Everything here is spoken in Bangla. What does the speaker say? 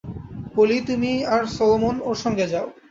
পলি, তুমি আর সলোমন ওর সঙ্গে যাও।